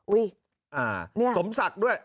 อุ๊ยนี่สมศักดิ์ด้วย